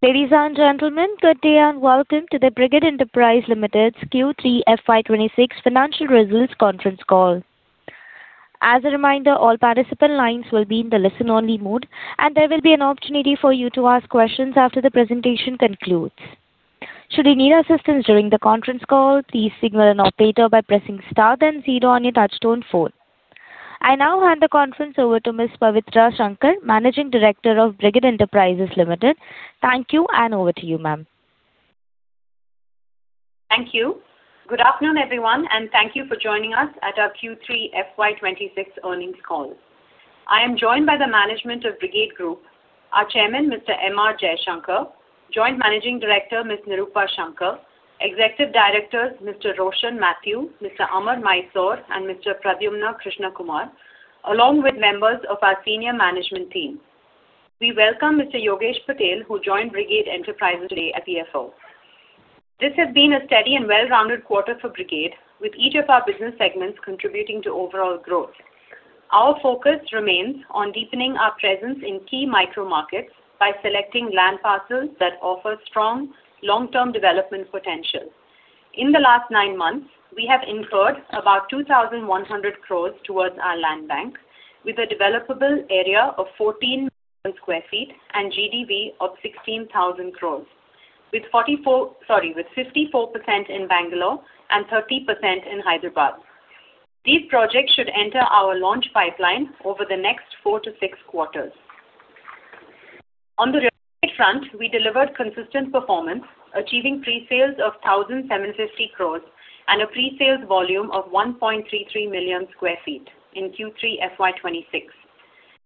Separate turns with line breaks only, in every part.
Ladies and gentlemen, good day, and welcome to the Brigade Enterprises Limited's Q3 FY 2026 financial results conference call. As a reminder, all participant lines will be in the listen-only mode, and there will be an opportunity for you to ask questions after the presentation concludes. Should you need assistance during the conference call, please signal an operator by pressing star then zero on your touchtone phone. I now hand the conference over to Ms. Pavitra Shankar, Managing Director of Brigade Enterprises Limited. Thank you, and over to you, ma'am.
Thank you. Good afternoon, everyone, and thank you for joining us at our Q3 FY 2026 earnings call. I am joined by the management of Brigade Group, our Chairman, Mr. M. R. Jaishankar, Joint Managing Director, Ms. Nirupa Shankar, Executive Directors, Mr. Roshin Mathew, Mr. Amar Mysore, and Mr. Pradyumna Krishnakumar, along with members of our senior management team. We welcome Mr. Yogesh Patel, who joined Brigade Enterprises today as the CFO. This has been a steady and well-rounded quarter for Brigade, with each of our business segments contributing to overall growth. Our focus remains on deepening our presence in key micro markets by selecting land parcels that offer strong long-term development potential. In the last nine months, we have incurred about 2,100 crore towards our land bank, with a developable area of 14 million sq ft and GDV of 16,000 crore, with 44... Sorry, with 54% in Bangalore and 30% in Hyderabad. These projects should enter our launch pipeline over the next four to six quarters. On the front, we delivered consistent performance, achieving pre-sales of 1,750 crores and a pre-sales volume of 1.33 million sq ft in Q3 FY 2026.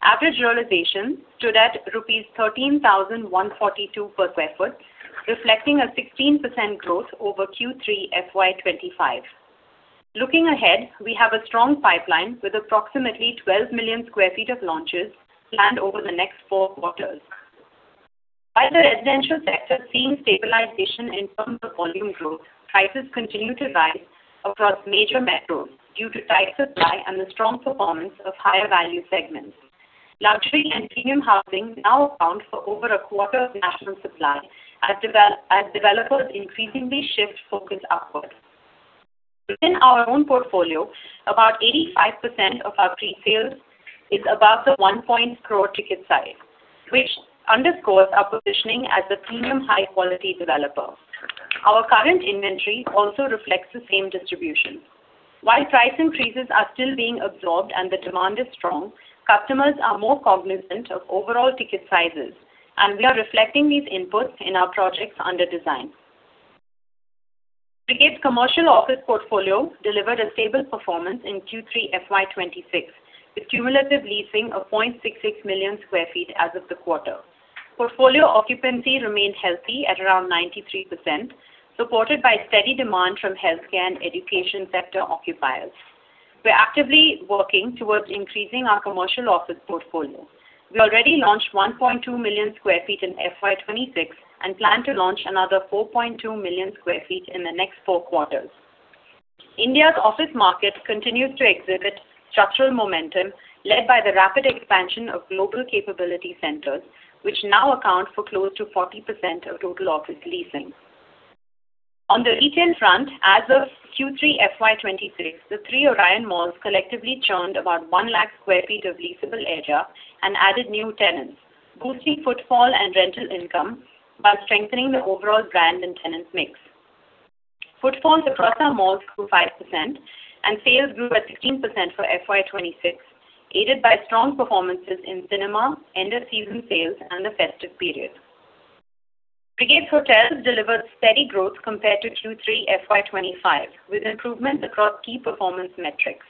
Average realization stood at INR 13,142 per sq ft, reflecting a 16% growth over Q3 FY 2025. Looking ahead, we have a strong pipeline with approximately 12 million sq ft of launches planned over the next four quarters. While the residential sector seeing stabilization in terms of volume growth, prices continue to rise across major metros due to tight supply and the strong performance of higher value segments. Luxury and premium housing now account for over a quarter of national supply, as developers increasingly shift focus upwards. Within our own portfolio, about 85% of our pre-sales is above the 1 crore ticket size, which underscores our positioning as a premium, high-quality developer. Our current inventory also reflects the same distribution. While price increases are still being absorbed and the demand is strong, customers are more cognizant of overall ticket sizes, and we are reflecting these inputs in our projects under design. Brigade's commercial office portfolio delivered a stable performance in Q3 FY 2026, with cumulative leasing of 0.66 million sq ft as of the quarter. Portfolio occupancy remained healthy at around 93%, supported by steady demand from healthcare and education sector occupiers. We're actively working towards increasing our commercial office portfolio. We already launched 1.2 million sq ft in FY 2026 and plan to launch another 4.2 million sq ft in the next four quarters. India's office market continues to exhibit structural momentum, led by the rapid expansion of global capability centers, which now account for close to 40% of total office leasing. On the retail front, as of Q3 FY 2026, the three Orion Malls collectively churned about 100,000 sq ft of leasable area and added new tenants, boosting footfall and rental income while strengthening the overall brand and tenants' mix. Footfalls across our malls grew 5%, and sales grew at 16% for FY 2026, aided by strong performances in cinema, end-of-season sales, and the festive period. Brigade Hotels delivered steady growth compared to Q3 FY 2025, with improvement across key performance metrics.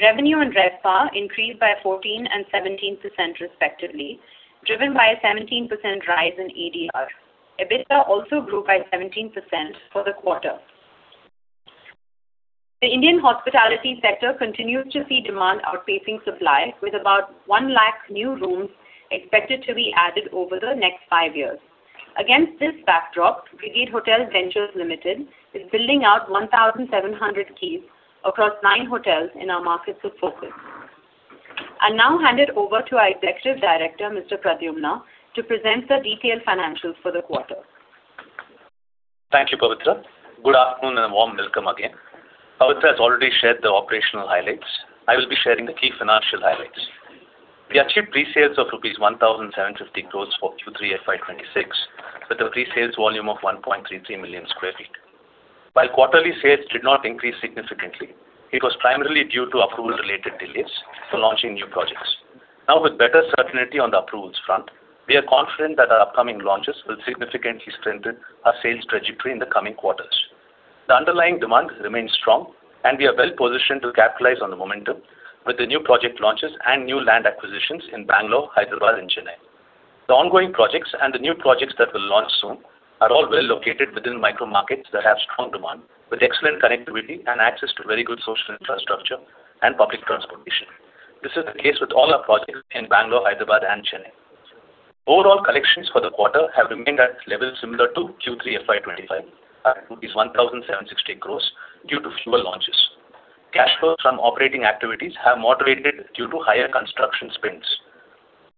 Revenue and RevPAR increased by 14% and 17%, respectively, driven by a 17% rise in ADR. EBITDA also grew by 17% for the quarter. The Indian hospitality sector continues to see demand outpacing supply, with about 100,000 new rooms expected to be added over the next five years. Against this backdrop, Brigade Hotel Ventures Limited is building out 1,700 keys across nine hotels in our markets of focus. I now hand it over to our Executive Director, Mr. Pradyumna, to present the detailed financials for the quarter.
Thank you, Pavitra. Good afternoon and a warm welcome again. Pavitra has already shared the operational highlights. I will be sharing the key financial highlights. We achieved pre-sales of INR 1,750 crores for Q3 FY 2026, with a pre-sales volume of 1.33 million sq ft. While quarterly sales did not increase significantly, it was primarily due to approval-related delays for launching new projects. Now, with better certainty on the approvals front, we are confident that our upcoming launches will significantly strengthen our sales trajectory in the coming quarters. The underlying demand remains strong, and we are well positioned to capitalize on the momentum with the new project launches and new land acquisitions in Bangalore, Hyderabad, and Chennai. The ongoing projects and the new projects that will launch soon are all well located within micro markets that have strong demand, with excellent connectivity and access to very good social infrastructure and public transportation. This is the case with all our projects in Bangalore, Hyderabad, and Chennai. Overall collections for the quarter have remained at levels similar to Q3 FY 2025, at 1,760 crore, due to fewer launches.... Cash flow from operating activities have moderated due to higher construction spends.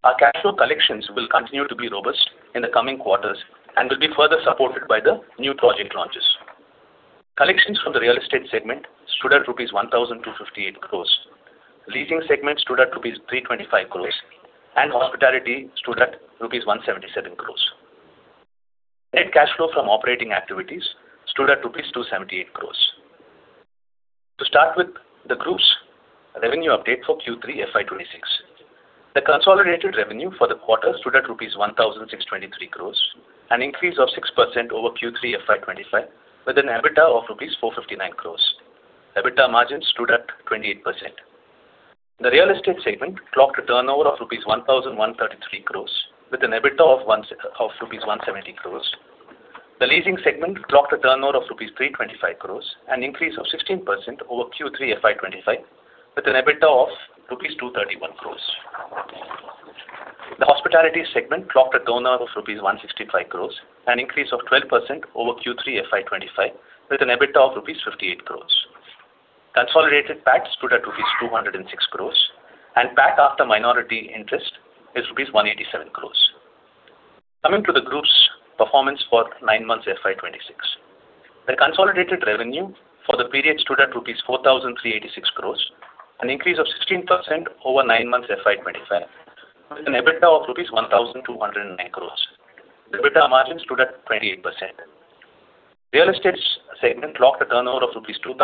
Our cash flow collections will continue to be robust in the coming quarters and will be further supported by the new project launches. Collections from the real estate segment stood at rupees 1,258 crore. Leasing segment stood at rupees 325 crore, and hospitality stood at rupees 177 crore. Net cash flow from operating activities stood at rupees 278 crore. To start with the group's revenue update for Q3 FY 2026. The consolidated revenue for the quarter stood at rupees 1,623 crore, an increase of 6% over Q3 FY 2025, with an EBITDA of rupees 459 crore. EBITDA margin stood at 28%. The real estate segment clocked a turnover of rupees 1,133 crore, with an EBITDA of rupees 170 crore. The leasing segment clocked a turnover of rupees 325 crore, an increase of 16% over Q3 FY 2025, with an EBITDA of rupees 231 crore. The hospitality segment clocked a turnover of rupees 165 crore, an increase of 12% over Q3 FY 2025, with an EBITDA of rupees 58 crore. Consolidated PAT stood at rupees 206 crore, and PAT after minority interest is rupees 187 crore. Coming to the group's performance for nine months FY 2026. The consolidated revenue for the period stood at rupees 4,386 crores, an increase of 16% over nine months FY 2025, with an EBITDA of rupees 1,209 crores. The EBITDA margin stood at 28%. Real estate's segment clocked a turnover of 2,976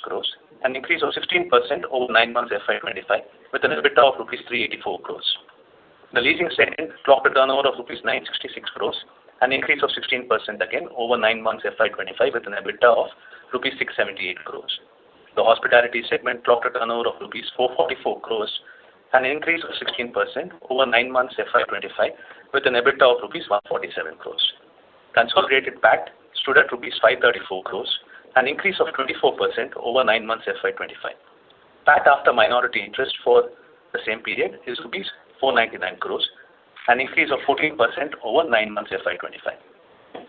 crores rupees, an increase of 16% over nine months FY 2025, with an EBITDA of rupees 384 crores. The leasing segment clocked a turnover of rupees 966 crores, an increase of 16% again over nine months FY 2025, with an EBITDA of rupees 678 crores. The hospitality segment clocked a turnover of rupees 444 crores, an increase of 16% over nine months FY 2025, with an EBITDA of rupees 147 crores. Consolidated PAT stood at rupees 534 crore, an increase of 24% over nine months FY 2025. PAT after minority interest for the same period is rupees 499 crore, an increase of 14% over nine months FY 2025.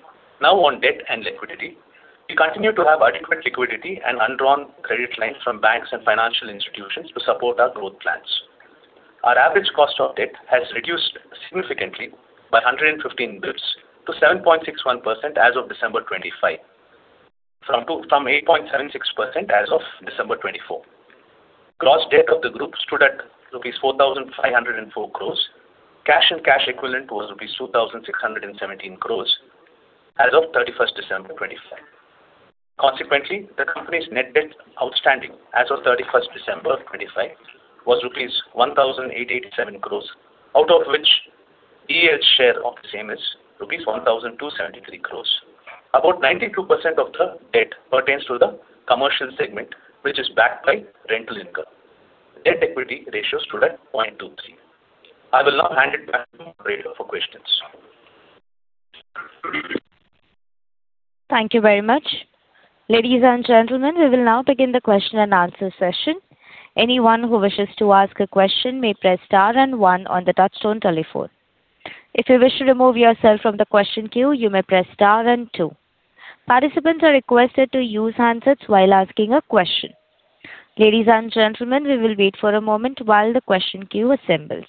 Now, on debt and liquidity. We continue to have adequate liquidity and undrawn credit lines from banks and financial institutions to support our growth plans. Our average cost of debt has reduced significantly by 115 bps to 7.61% as of December 2025, from 8.76% as of December 2024. Gross debt of the group stood at rupees 4,504 crore. Cash and cash equivalent was rupees 2,617 crore as of 31st December 2025. Consequently, the company's net debt outstanding as of 31st December 2025 was rupees 1,887 crores, out of which share of the same is rupees 1,273 crores. About 92% of the debt pertains to the commercial segment, which is backed by rental income. Debt equity ratio stood at 0.23. I will now hand it back to operator for questions.
Thank you very much. Ladies and gentlemen, we will now begin the question-and-answer session. Anyone who wishes to ask a question may press star and one on the touchtone telephone. If you wish to remove yourself from the question queue, you may press star and two. Participants are requested to use handsets while asking a question. Ladies and gentlemen, we will wait for a moment while the question queue assembles.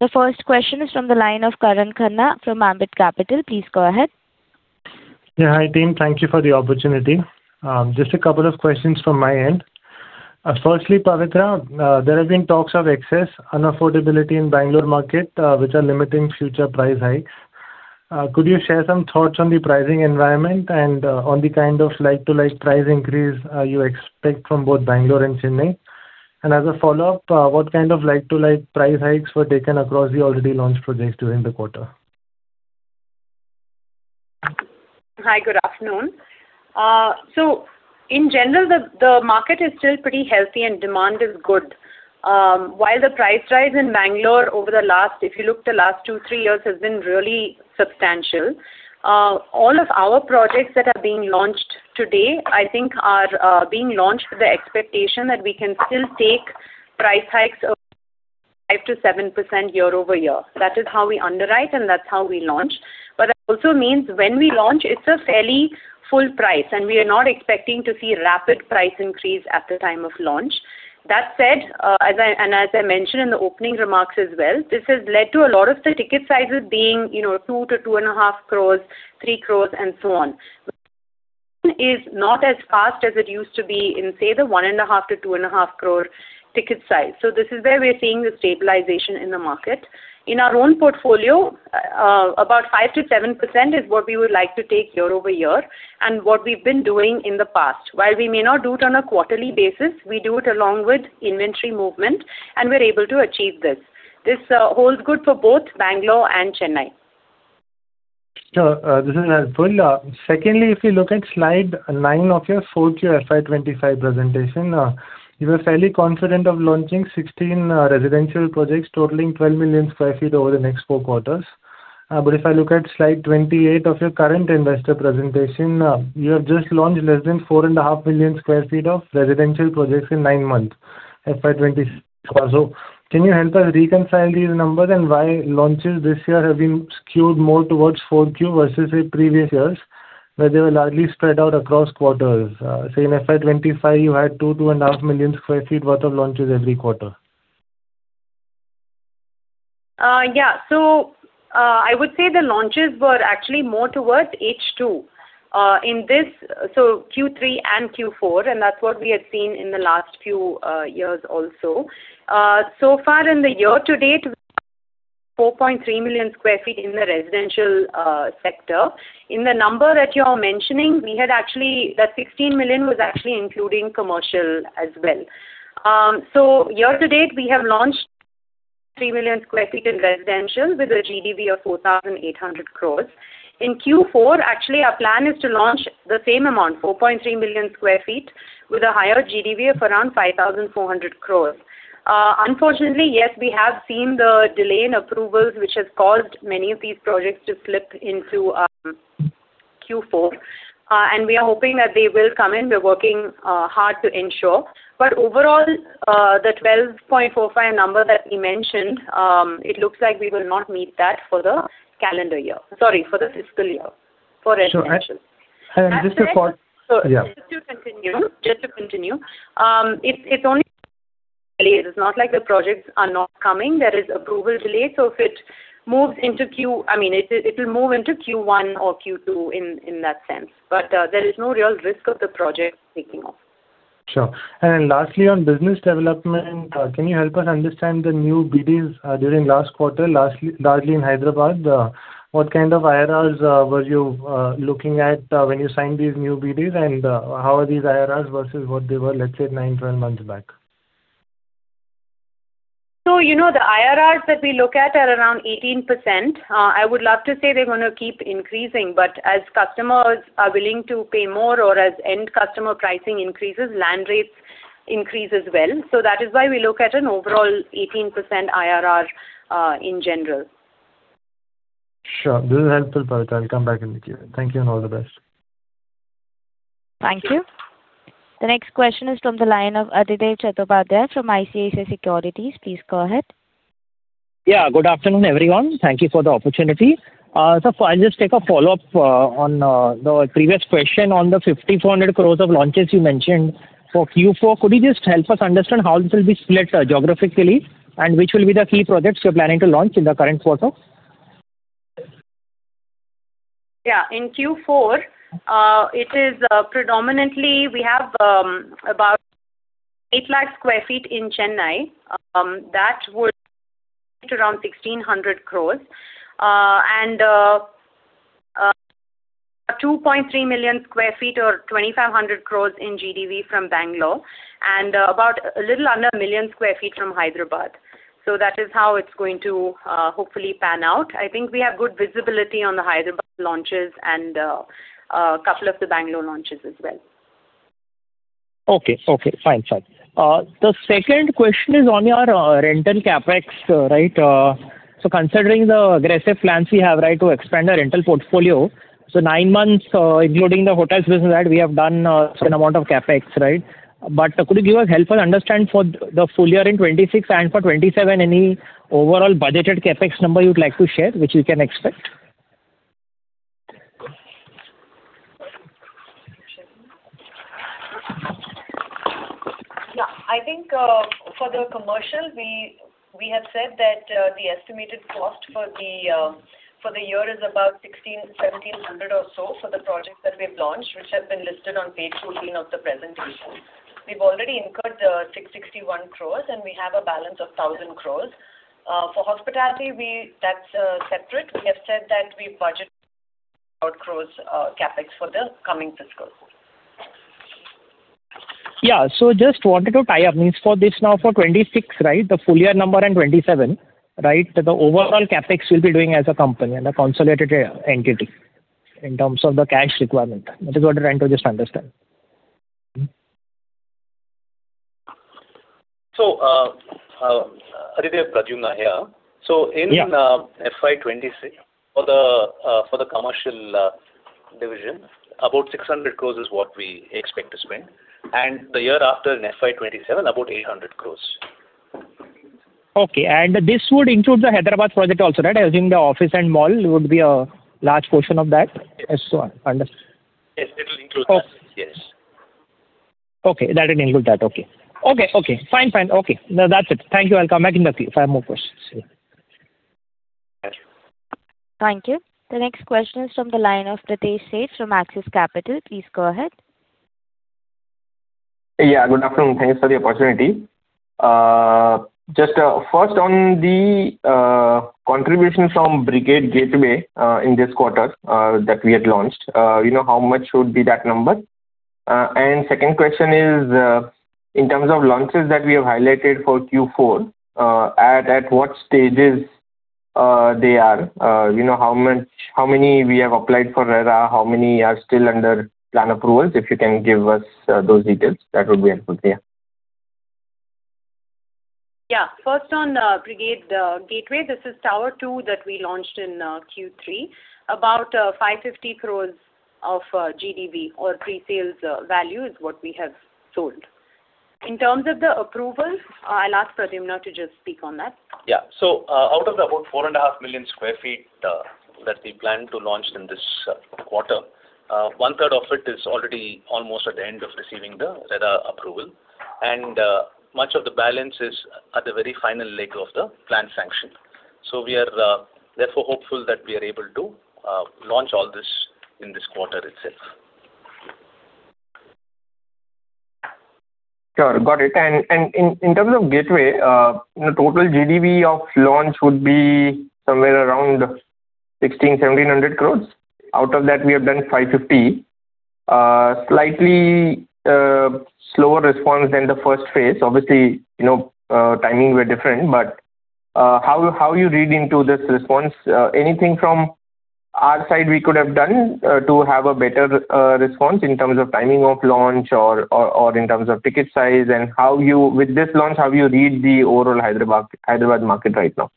The first question is from the line of Karan Khanna from Ambit Capital. Please go ahead.
Yeah. Hi, team. Thank you for the opportunity. Just a couple of questions from my end. Firstly, Pavitra, there have been talks of excess unaffordability in Bangalore market, which are limiting future price hikes. Could you share some thoughts on the pricing environment and, on the kind of like-to-like price increase, you expect from both Bangalore and Chennai? And as a follow-up, what kind of like-to-like price hikes were taken across the already launched projects during the quarter?
Hi, good afternoon. So in general, the market is still pretty healthy and demand is good. While the price rise in Bangalore over the last, if you look the last two, three years, has been really substantial, all of our projects that are being launched today, I think are being launched with the expectation that we can still take price hikes of 5%-7% year-over-year. That is how we underwrite, and that's how we launch. But that also means when we launch, it's a fairly full price, and we are not expecting to see rapid price increase at the time of launch. That said, as I... As I mentioned in the opening remarks as well, this has led to a lot of the ticket sizes being, you know, 2 crore-2.5 crore, 3 crore, and so on. Is not as fast as it used to be in, say, the 1.5 crore-2.5 crore ticket size. So this is where we are seeing the stabilization in the market. In our own portfolio, about 5%-7% is what we would like to take year-over-year and what we've been doing in the past. While we may not do it on a quarterly basis, we do it along with inventory movement, and we're able to achieve this. This holds good for both Bangalore and Chennai.
This is helpful. Secondly, if you look at slide nine of your full year FY 2025 presentation, you were fairly confident of launching 16 residential projects totaling 12 million sq ft over the next four quarters. But if I look at slide 28 of your current investor presentation, you have just launched less than 4.5 million sq ft of residential projects in nine months, FY 2024. So can you help us reconcile these numbers and why launches this year have been skewed more towards Q4 versus, say, previous years, where they were largely spread out across quarters? Say, in FY 2025, you had 2 million-2.5 million sq ft worth of launches every quarter.
Yeah. So, I would say the launches were actually more towards H2. In this, so Q3 and Q4, and that's what we had seen in the last few years also. So far in the year to date, 4.3 million sq ft in the residential sector. In the number that you're mentioning, we had actually, that 16 million was actually including commercial as well. So year to date, we have launched 3 million sq ft in residential, with a GDV of 4,800 crores. In Q4, actually, our plan is to launch the same amount, 4.3 million sq ft, with a higher GDV of around 5,400 crores. Unfortunately, yes, we have seen the delay in approvals, which has caused many of these projects to slip into Q4. We are hoping that they will come in. We're working hard to ensure. But overall, the 12.45 number that we mentioned, it looks like we will not meet that for the calendar year. Sorry, for the fiscal year, for residential.
Sure. And just to follow-
Sorry.
Yeah.
Just to continue, it's not like the projects are not coming. There is approval delay, so if it moves into Q1 or Q2, I mean, in that sense, but there is no real risk of the project taking off.
Sure. Lastly, on business development, can you help us understand the new BDs during last quarter, largely in Hyderabad? What kind of IRRs were you looking at when you signed these new BDs, and how are these IRRs versus what they were, let's say, nine, 12 months back?
So, you know, the IRRs that we look at are around 18%. I would love to say they're going to keep increasing, but as customers are willing to pay more, or as end customer pricing increases, land rates increase as well. That is why we look at an overall 18% IRR, in general.
Sure. This is helpful color. I'll come back in the queue. Thank you, and all the best.
Thank you. The next question is from the line of Aditya Chaturvedi from ICICI Securities. Please go ahead.
Yeah, good afternoon, everyone. Thank you for the opportunity. So I'll just take a follow-up on the previous question on the 5,400 crore of launches you mentioned for Q4. Could you just help us understand how this will be split geographically, and which will be the key projects you're planning to launch in the current quarter?
Yeah. In Q4, it is predominantly we have about 800,000 sq ft in Chennai. That would hit around 1,600 crore, and 2.3 million sq ft or 2,500 crore in GDV from Bangalore, and about a little under a million sq ft from Hyderabad. So that is how it's going to hopefully pan out. I think we have good visibility on the Hyderabad launches and couple of the Bangalore launches as well.
Okay. Okay, fine. Fine. The second question is on your rental CapEx, right? So considering the aggressive plans you have, right, to expand the rental portfolio, so nine months, including the hotels business that we have done a certain amount of CapEx, right? But could you give us, help us understand for the full year in 2026 and for 2027, any overall budgeted CapEx number you'd like to share, which we can expect?
Yeah. I think, for the commercial, we have said that the estimated cost for the year is about 1,600-1,700 or so for the projects that we've launched, which have been listed on page 14 of the presentation. We've already incurred 661 crore, and we have a balance of 1,000 crore. For hospitality, we... That's separate. We have said that we budget INR 100 crore CapEx for the coming fiscal.
Yeah. So just wanted to tie up. Meant for this now for 2026, right, the full year number and 2027, right? The overall CapEx you'll be doing as a company and a consolidated entity in terms of the cash requirement. That is what I'm trying to just understand.
Aditya, Pradyumna here.
Yeah.
In FY 2026, for the commercial division, about 600 crore is what we expect to spend, and the year after in FY 2027, about 800 crore.
Okay. And this would include the Hyderabad project also, right? I assume the office and mall would be a large portion of that, as so I under-
Yes, it will include that.
Okay.
Yes.
Okay, that'll include that. Okay. Okay, okay. Fine. Fine. Okay. No, that's it. Thank you. I'll come back in the queue if I have more questions.
Thank you.
Thank you. The next question is from the line of Pritesh Sheth from Axis Capital. Please go ahead.
Yeah, good afternoon. Thanks for the opportunity. Just, first on the contribution from Brigade Gateway in this quarter that we had launched. You know, how much would be that number? And second question is, in terms of launches that we have highlighted for Q4, at what stages they are, you know, how much- how many we have applied for RERA, how many are still under plan approvals? If you can give us those details, that would be helpful. Yeah....
Yeah, first on, Brigade Gateway, this is Tower 2 that we launched in Q3. About 550 crore of GDV or presales value is what we have sold. In terms of the approvals, I'll ask Pradyumna to just speak on that.
Yeah. So, out of the about 4.5 million sq ft that we plan to launch in this quarter, one third of it is already almost at the end of receiving the RERA approval. Much of the balance is at the very final leg of the plan sanction. We are, therefore, hopeful that we are able to launch all this in this quarter itself.
Sure, got it. In terms of Gateway, the total GDV of launch would be somewhere around 1,600 crore-1,700 crore. Out of that, we have done 550 crore. Slightly slower response than the first phase. Obviously, you know, timing were different, but how you read into this response? Anything from our side we could have done to have a better response in terms of timing of launch or in terms of ticket size? And how you—with this launch, how you read the overall Hyderabad market right now?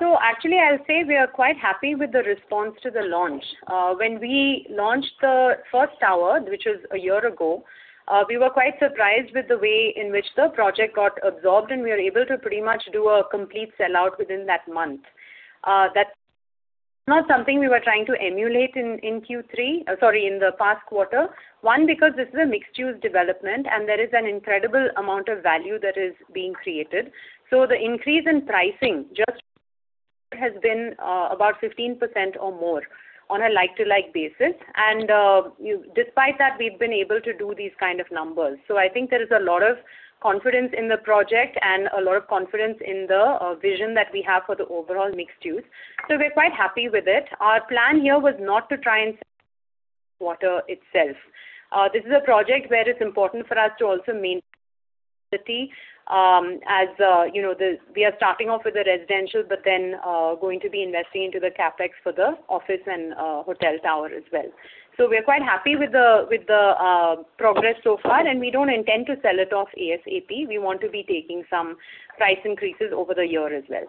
So actually, I'll say we are quite happy with the response to the launch. When we launched the first tower, which was a year ago, we were quite surprised with the way in which the project got absorbed, and we were able to pretty much do a complete sell-out within that month. That's not something we were trying to emulate in Q3, sorry, in the past quarter. One, because this is a mixed-use development, and there is an incredible amount of value that is being created. So the increase in pricing just has been about 15% or more on a like-to-like basis. And, you, despite that, we've been able to do these kind of numbers. So I think there is a lot of confidence in the project and a lot of confidence in the vision that we have for the overall mixed use. So we're quite happy with it. Our plan here was not to try and quarter itself. This is a project where it's important for us to also maintain city, as you know, we are starting off with the residential, but then going to be investing into the CapEx for the office and hotel tower as well. So we are quite happy with the progress so far, and we don't intend to sell it off ASAP. We want to be taking some price increases over the year as well.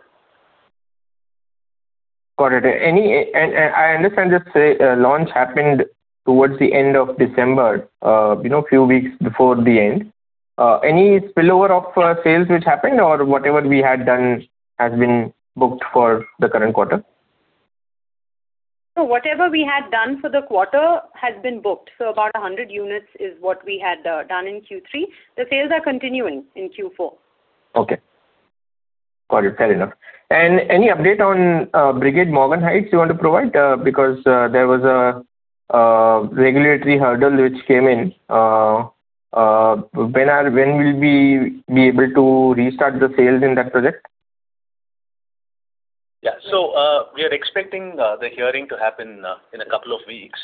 Got it. And I understand, just say, launch happened towards the end of December, you know, a few weeks before the end. Any spillover of sales which happened or whatever we had done has been booked for the current quarter?
Whatever we had done for the quarter has been booked. About 100 units is what we had done in Q3. The sales are continuing in Q4.
Okay. Got it. Fair enough. And any update on Brigade Morgan Heights you want to provide? Because there was a regulatory hurdle which came in, when will we be able to restart the sales in that project?
Yeah. So, we are expecting the hearing to happen in a couple of weeks'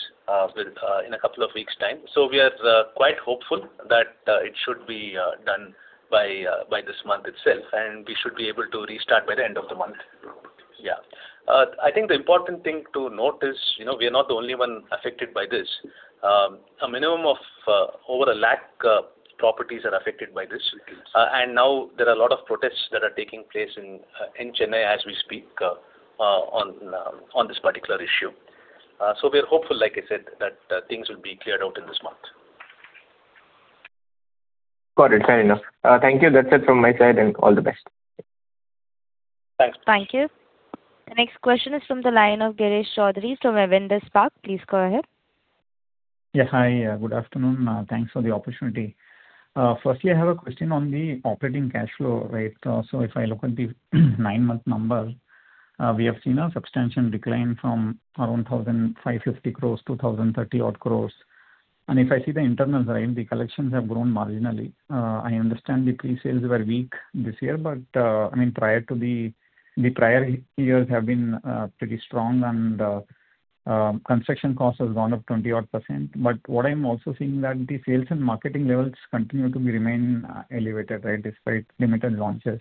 time. So we are quite hopeful that it should be done by this month itself, and we should be able to restart by the end of the month. Yeah. I think the important thing to note is, you know, we are not the only one affected by this. A minimum of over 100,000 properties are affected by this. And now there are a lot of protests that are taking place in Chennai as we speak on this particular issue. So we are hopeful, like I said, that things will be cleared out in this month.
Got it. Fair enough. Thank you. That's it from my side, and all the best.
Thanks.
Thank you.
The next question is from the line of Girish Choudhary from Avendus Spark. Please go ahead.
Yeah, hi. Good afternoon. Thanks for the opportunity. Firstly, I have a question on the operating cash flow, right? So if I look at the nine-month numbers, we have seen a substantial decline from around 1,050 crores to 1,030-odd crores. And if I see the internals, right, the collections have grown marginally. I understand the presales were weak this year, but, I mean, prior to the... the prior years have been pretty strong, and construction cost has gone up 20-odd%. But what I'm also seeing that the sales and marketing levels continue to remain elevated, right, despite limited launches.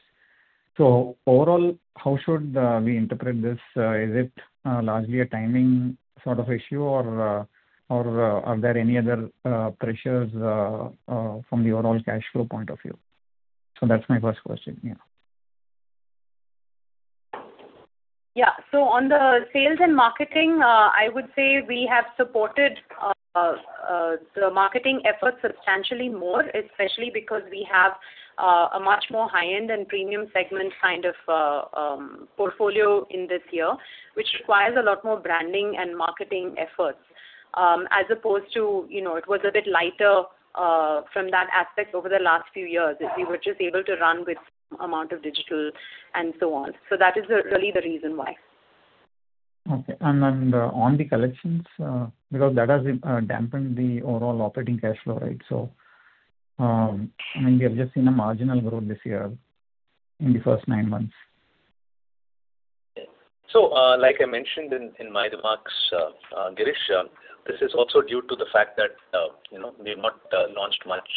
So overall, how should we interpret this? Is it largely a timing sort of issue, or are there any other pressures from the overall cash flow point of view? So that's my first question. Yeah.
Yeah. So on the sales and marketing, I would say we have supported the marketing efforts substantially more, especially because we have a much more high-end and premium segment kind of portfolio in this year, which requires a lot more branding and marketing efforts, as opposed to, you know, it was a bit lighter from that aspect over the last few years, as we were just able to run with amount of digital and so on. So that is, really, the reason why.
Okay. And then, on the collections, because that has dampened the overall operating cash flow, right? So, I mean, we have just seen a marginal growth this year in the first nine months.
So, like I mentioned in my remarks, Girish, this is also due to the fact that, you know, we have not launched much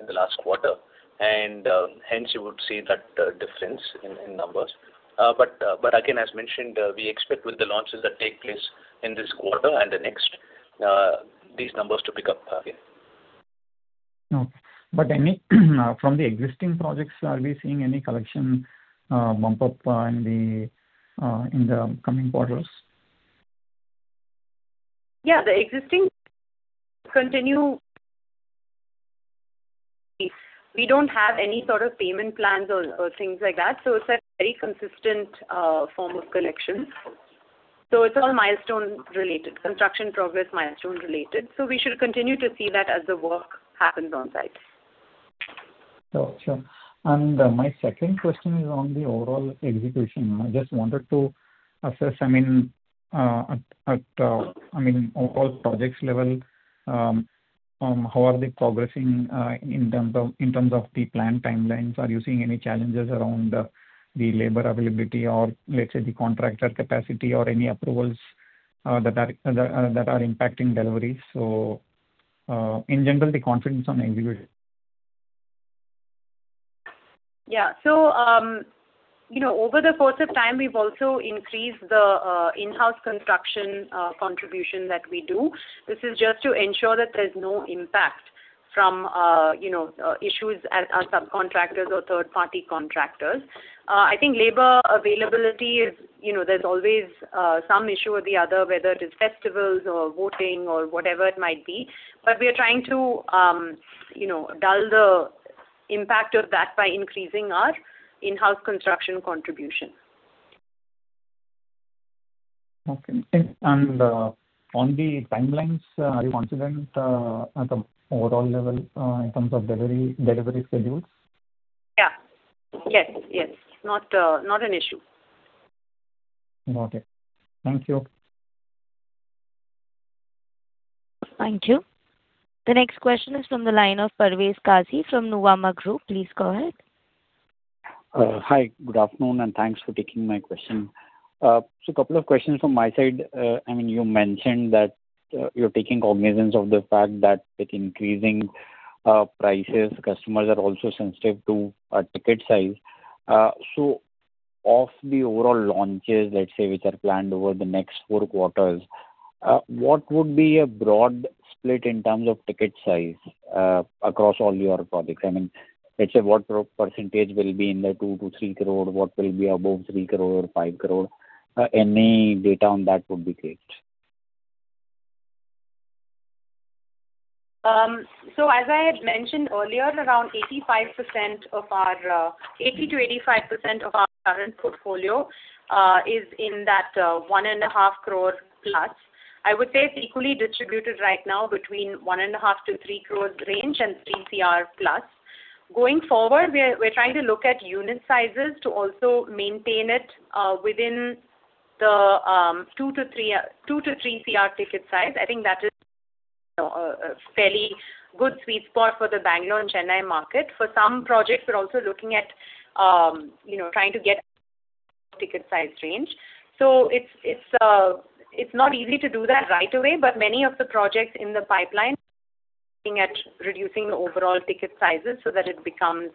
in the last quarter. And hence you would see that difference in numbers. But again, as mentioned, we expect with the launches that take place in this quarter and the next-... these numbers to pick up, yeah.
No, but any from the existing projects, are we seeing any collection, bump up, in the coming quarters?
Yeah, the existing continue. We don't have any sort of payment plans or, or things like that, so it's a very consistent form of collection. So it's all milestone related, construction progress, milestone related. So we should continue to see that as the work happens on site.
Got you. And my second question is on the overall execution. I just wanted to assess, I mean, at the overall projects level, how are they progressing in terms of the planned timelines? Are you seeing any challenges around the labor availability or, let's say, the contractor capacity or any approvals that are impacting deliveries? So, in general, the confidence on execution.
Yeah. So, you know, over the course of time, we've also increased the in-house construction contribution that we do. This is just to ensure that there's no impact from, you know, issues at our subcontractors or third-party contractors. I think labor availability is, you know, there's always some issue or the other, whether it is festivals or voting or whatever it might be. But we are trying to, you know, dull the impact of that by increasing our in-house construction contribution.
Okay. And on the timelines, are you confident at the overall level in terms of delivery, delivery schedules?
Yeah. Yes, yes. Not, not an issue.
Got it. Thank you.
Thank you. The next question is from the line of Parvez Qazi from Nuvama Group. Please go ahead.
Hi. Good afternoon, and thanks for taking my question. So a couple of questions from my side. I mean, you mentioned that you're taking cognizance of the fact that with increasing prices, customers are also sensitive to ticket size. So of the overall launches, let's say, which are planned over the next four quarters, what would be a broad split in terms of ticket size across all your projects? I mean, let's say, what % will be in the 2 crore-3 crore? What will be above 3 crore or 5 crore? Any data on that would be great.
As I had mentioned earlier, around 85% of our, 80%-85% of our current portfolio is in that 1.5 crore plus. I would say it's equally distributed right now between 1.5 crores-3 crores range and 3 cr plus. Going forward, we are, we're trying to look at unit sizes to also maintain it within the 2-3, 2-3 cr ticket size. I think that is a fairly good sweet spot for the Bangalore and Chennai market. For some projects, we're also looking at you know, trying to get ticket size range. So it's not easy to do that right away, but many of the projects in the pipeline, looking at reducing the overall ticket sizes so that it becomes,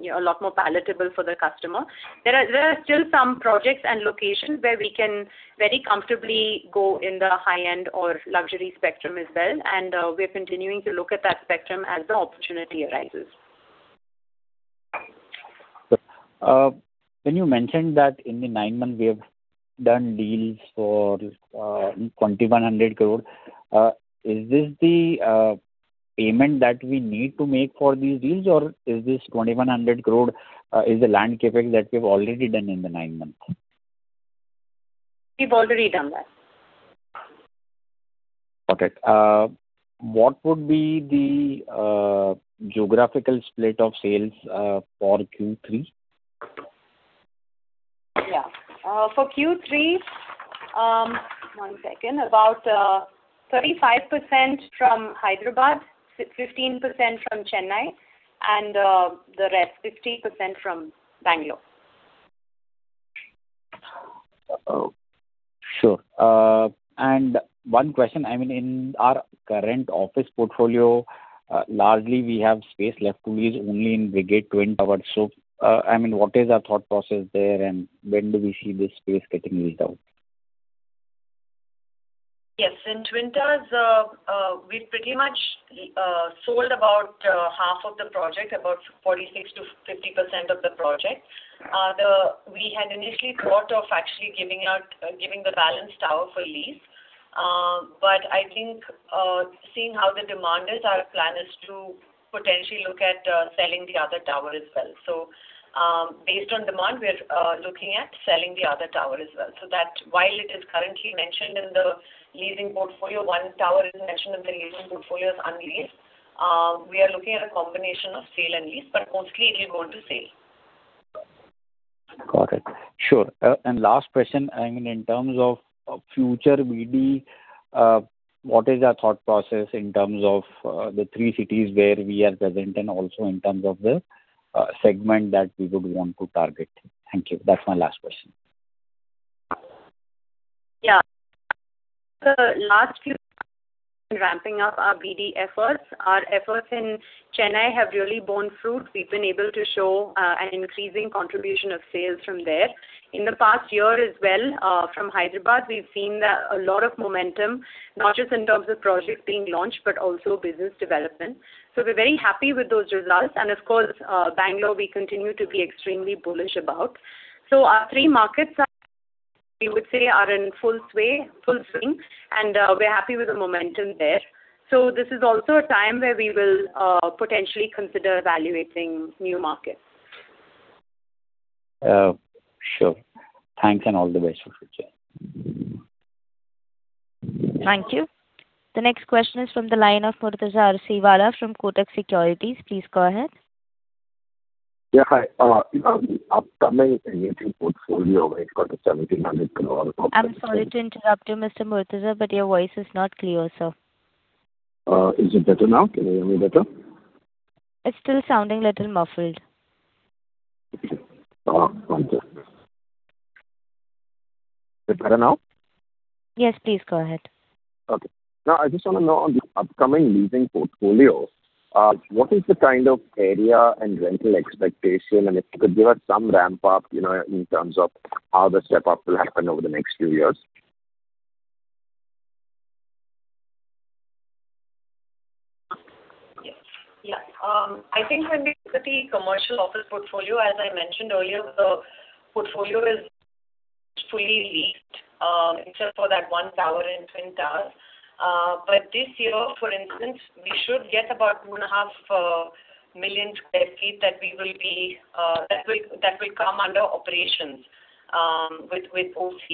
you know, a lot more palatable for the customer. There are still some projects and locations where we can very comfortably go in the high-end or luxury spectrum as well, and we're continuing to look at that spectrum as the opportunity arises.
When you mentioned that in the nine months we have done deals for 2,100 crore, is this the payment that we need to make for these deals, or is this 2,100 crore is the land CapEx that we've already done in the nine months?
We've already done that.
Okay. What would be the geographical split of sales for Q3?
Yeah. For Q3, one second, about 35% from Hyderabad, 15% from Chennai, and the rest 50% from Bangalore.
Sure. And one question, I mean, in our current office portfolio, largely we have space left to lease only in Brigade Twin Towers. So, I mean, what is our thought process there, and when do we see this space getting leased out?
Yes, in Twin Towers, we've pretty much sold about half of the project, about 46%-50% of the project. The... We had initially thought of actually giving out, giving the balance tower for lease. But I think, seeing how the demand is, our plan is to potentially look at selling the other tower as well. So, based on demand, we are looking at selling the other tower as well. So that while it is currently mentioned in the leasing portfolio, one tower is mentioned in the leasing portfolio as unleased, we are looking at a combination of sale and lease, but mostly it is going to sale.
Got it. Sure. And last question, I mean, in terms of, of future BD, what is our thought process in terms of, the three cities where we are present, and also in terms of the, segment that we would want to target? Thank you. That's my last question.
Yeah. Ramping up our BD efforts. Our efforts in Chennai have really borne fruit. We've been able to show an increasing contribution of sales from there. In the past year as well, from Hyderabad, we've seen a lot of momentum, not just in terms of projects being launched, but also business development. So we're very happy with those results, and of course, Bangalore, we continue to be extremely bullish about. So our three markets are, we would say, in full sway, full swing, and we're happy with the momentum there. So this is also a time where we will potentially consider evaluating new markets.
Sure. Thanks, and all the best for future.
Thank you. The next question is from the line of Murtuza Arsiwalla from Kotak Securities. Please go ahead.
Yeah, hi. Upcoming leasing portfolio with-
I'm sorry to interrupt you, Mr. Murtuza, but your voice is not clear, sir.
Is it better now? Can you hear me better?
It's still sounding a little muffled.
Okay. Is it better now?
Yes, please go ahead.
Okay. Now, I just wanna know on the upcoming leasing portfolio, what is the kind of area and rental expectation, and if you could give us some ramp up, you know, in terms of how the step up will happen over the next few years?
Yes. Yeah. I think when we look at the commercial office portfolio, as I mentioned earlier, the portfolio is fully leased, except for that one tower in Twin Towers. But this year, for instance, we should get about 2.5 million sq ft that will come under operations with OC.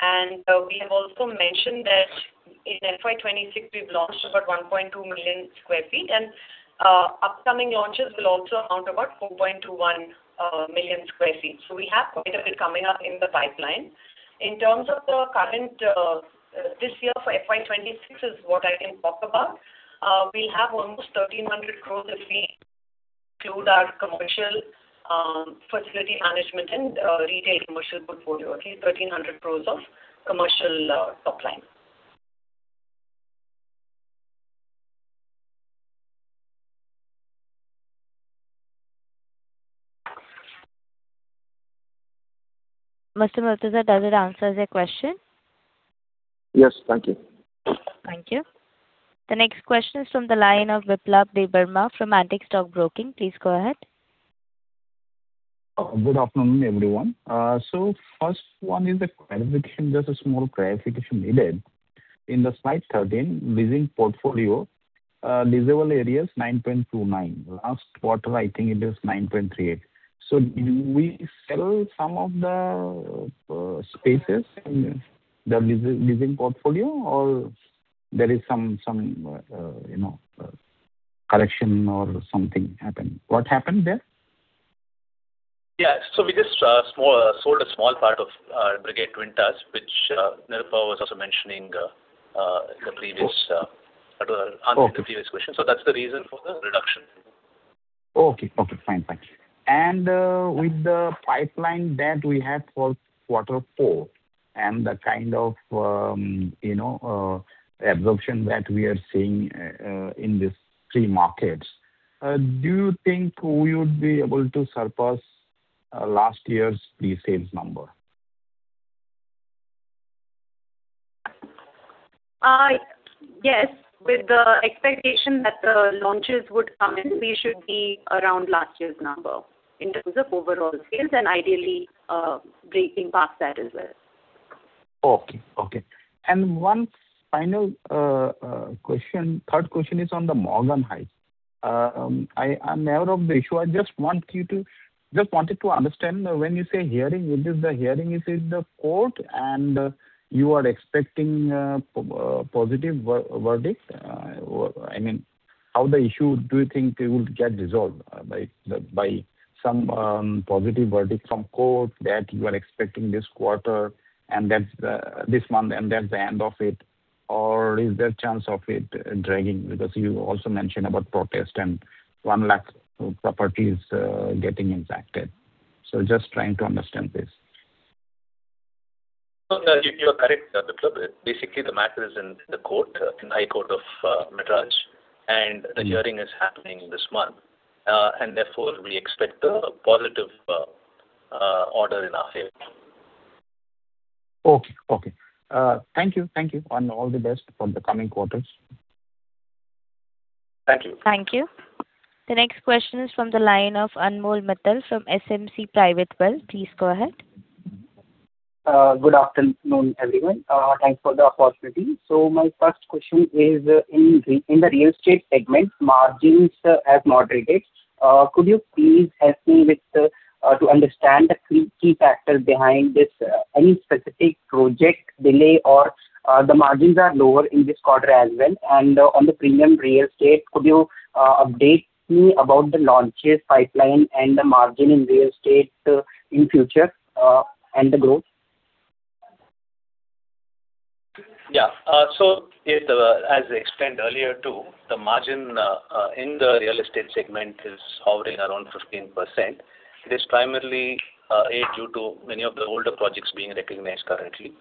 And we have also mentioned that in FY 2026, we've launched about 1.2 million sq ft, and upcoming launches will also amount about 4.21 million sq ft. So we have quite a bit coming up in the pipeline. In terms of the current this year for FY 2026 is what I can talk about. We'll have almost 1,300 crore if we include our commercial facility management and retail commercial portfolio, okay? 1,300 crore of commercial top line.
Mr. Murtuza, does it answer your question?
Yes. Thank you.
Thank you. The next question is from the line of Biplab Debbarma from Antique Stock Broking. Please go ahead.
Good afternoon, everyone. So first one is a clarification, just a small clarification needed. In the slide 13, leasing portfolio, leasable areas, 9.29. Last quarter, I think it is 9.38. So do we sell some of the spaces in the lease, leasing portfolio, or there is some, some, you know, correction or something happened? What happened there?
Yeah, so we just sold a small part of our Brigade Twin Towers, which Nirupa was also mentioning in the previous answer to the previous question.
Okay.
That's the reason for the reduction.
Okay. Okay, fine. Thank you. And, with the pipeline that we had for quarter four, and the kind of, you know, absorption that we are seeing, in these three markets, do you think we would be able to surpass, last year's pre-sales number?
Yes, with the expectation that the launches would come in, we should be around last year's number in terms of overall sales and ideally, breaking past that as well.
Okay. Okay. And one final question, third question is on the Morgan Heights. I'm aware of the issue. I just want you to... Just wanted to understand, when you say hearing, it is the hearing is in the court, and you are expecting positive verdict? I mean, how the issue do you think it will get resolved? By, by some positive verdict from court that you are expecting this quarter, and that's this month, and that's the end of it, or is there a chance of it dragging? Because you also mentioned about protest and 1 lakh properties getting impacted. So just trying to understand this.
No, you are correct, Biplab. Basically, the matter is in the court, in High Court of Madras.
Mm.
The hearing is happening this month, and therefore, we expect a positive order in our favor.
Okay. Okay. Thank you. Thank you, and all the best for the coming quarters.
Thank you.
Thank you. The next question is from the line of Anmol Mittal from SMC Private Wealth. Please go ahead.
Good afternoon, everyone. Thanks for the opportunity. So my first question is, in the real estate segment, margins have moderated. Could you please help me with to understand the key factors behind this, any specific project delay or, the margins are lower in this quarter as well. And, on the premium real estate, could you update me about the launches, pipeline, and the margin in real estate, in future, and the growth?
Yeah. So as I explained earlier, too, the margin in the real estate segment is hovering around 15%. It is primarily A, due to many of the older projects being recognized currently.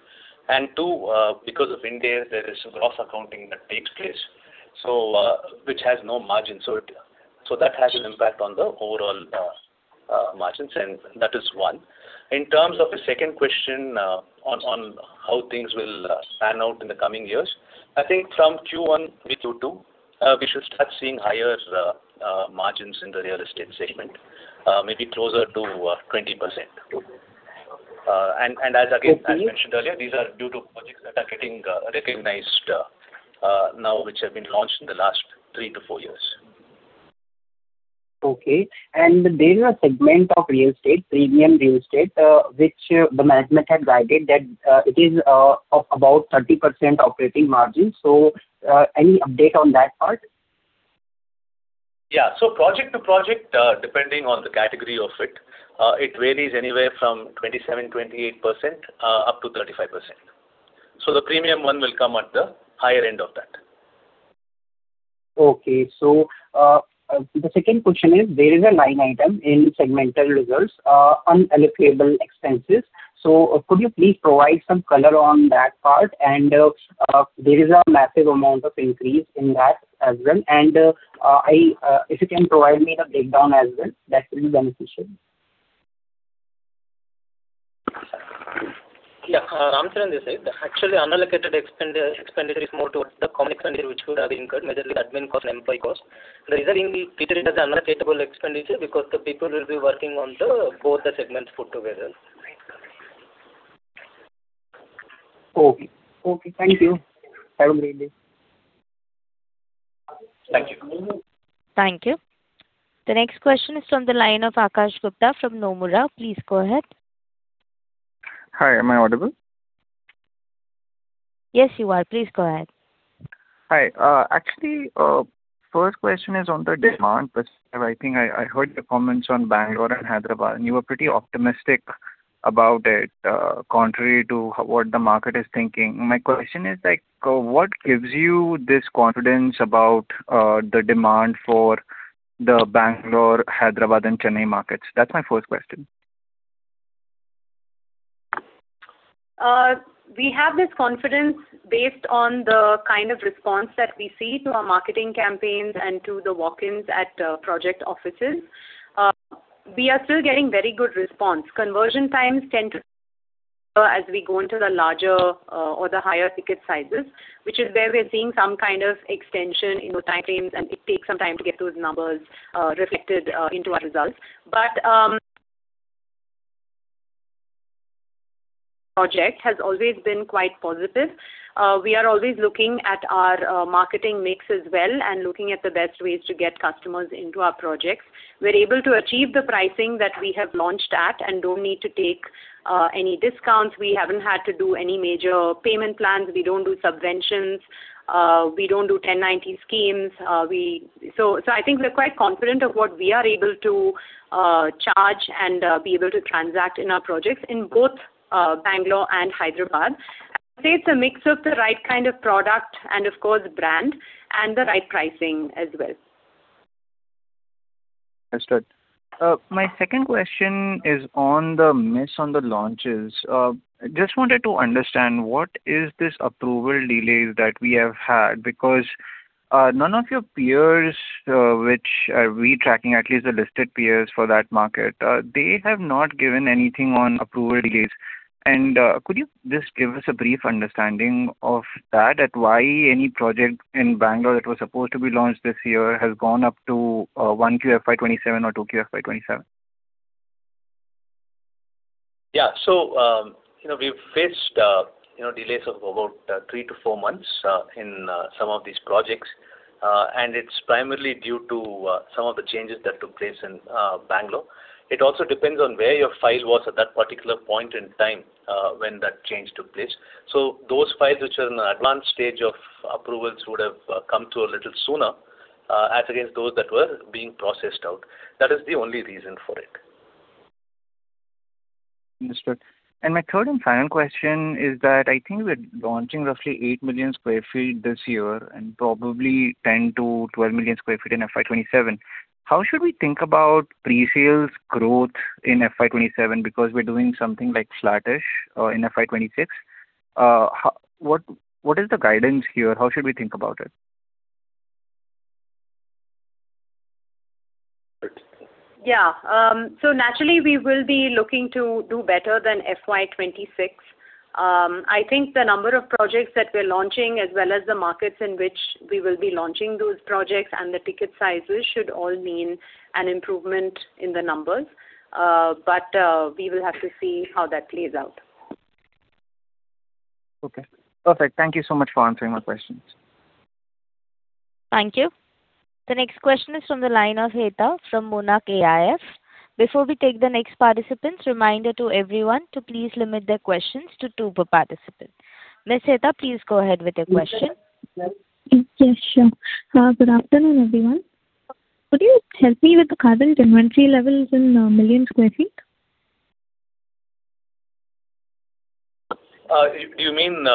And two, because of Ind AS, there is gross accounting that takes place, so, which has no margin. So that has an impact on the overall margins, and that is one. In terms of the second question, on how things will pan out in the coming years, I think from Q1 into Q2, we should start seeing higher margins in the real estate segment, maybe closer to 20%. As mentioned earlier, these are due to projects that are getting recognized now, which have been launched in the last 3 years-4 years.
Okay. There's a segment of real estate, premium real estate, which the management had guided that it is of about 30% operating margin. So, any update on that part?
Yeah. So project to project, depending on the category of it, it varies anywhere from 27%-28%, up to 35%. So the premium one will come at the higher end of that.
Okay. So, the second question is, there is a line item in segmental results, unallocable expenses. So could you please provide some color on that part? And, there is a massive amount of increase in that as well. And, I, if you can provide me the breakdown as well, that will be beneficial.
Yeah. Actually, unallocated expenditure is more towards the common expenditure, which would have been incurred, majorly admin cost and employee cost. The reason we treat it as unallocated expenditure, because the people will be working on both the segments put together.
Okay. Okay, thank you. Thank you.
Thank you. The next question is from the line of Akash Gupta from Nomura. Please go ahead.
Hi, am I audible?
Yes, you are. Please go ahead.
Hi. Actually, first question is on the demand perspective. I think I heard your comments on Bangalore and Hyderabad, and you were pretty optimistic about it, contrary to what the market is thinking. My question is, like, what gives you this confidence about the demand for the Bangalore, Hyderabad and Chennai markets? That's my first question.
We have this confidence based on the kind of response that we see to our marketing campaigns and to the walk-ins at project offices. We are still getting very good response. Conversion times tend to as we go into the larger or the higher ticket sizes, which is where we're seeing some kind of extension in the time frames, and it takes some time to get those numbers reflected into our results. But project has always been quite positive. We are always looking at our marketing mix as well and looking at the best ways to get customers into our projects. We're able to achieve the pricing that we have launched at and don't need to take any discounts. We haven't had to do any major payment plans. We don't do subventions. We don't do 10-90 schemes. We... So I think we're quite confident of what we are able to charge and be able to transact in our projects in both Bangalore and Hyderabad. I'd say it's a mix of the right kind of product and of course brand, and the right pricing as well.
Understood. My second question is on the miss on the launches. Just wanted to understand, what is this approval delays that we have had? Because, none of your peers, which, we tracking at least the listed peers for that market, they have not given anything on approval delays. And, could you just give us a brief understanding of that, at why any project in Bangalore that was supposed to be launched this year has gone up to, 1Q FY 2027 or 2Q FY 2027?
Yeah. So, you know, we've faced, you know, delays of about 3 months-4 months in some of these projects, and it's primarily due to some of the changes that took place in Bangalore. It also depends on where your file was at that particular point in time when that change took place. So those files which are in an advanced stage of approvals would have come through a little sooner as against those that were being processed out. That is the only reason for it.
Understood. And my third and final question is that I think we're launching roughly 8 million sq ft this year, and probably 10 million-12 million sq ft in FY 2027. How should we think about pre-sales growth in FY 2027? Because we're doing something like flattish in FY 2026. How? What is the guidance here? How should we think about it?
Yeah. So naturally, we will be looking to do better than FY 2026. I think the number of projects that we're launching, as well as the markets in which we will be launching those projects and the ticket sizes, should all mean an improvement in the numbers. But, we will have to see how that plays out.
Okay. Perfect. Thank you so much for answering my questions.
Thank you. The next question is from the line of Heta from Monarch AIF. Before we take the next participants, reminder to everyone to please limit their questions to two per participant. Ms. Heta, please go ahead with your question.
Yes, sure. Good afternoon, everyone. Could you help me with the current inventory levels in million square feet?
Do you mean